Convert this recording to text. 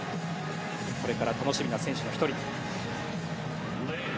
これから楽しみな選手の１人。